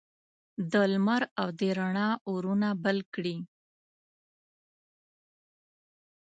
د لمر او د روڼا اورونه بل کړي